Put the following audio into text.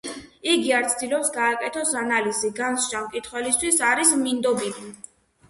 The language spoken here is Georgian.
იგი არ ცდილობს გააკეთოს ანალიზი, განსჯა მკითხველისთვის არის მინდობილი.